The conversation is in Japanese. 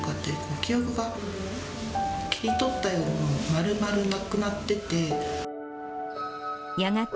記憶が切り取ったように丸々なくなってて。